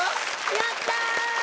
やったー！